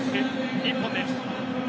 日本です。